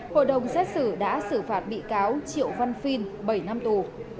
hội đồng xét xử đã xử phạt bị cáo triệu văn phiên bảy năm tù